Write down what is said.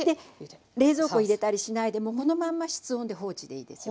冷蔵庫入れたりしないでもうこのまんま室温で放置でいいですよ。